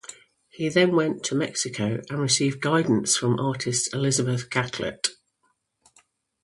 He then went to Mexico and received guidance from artist Elizabeth Catlett.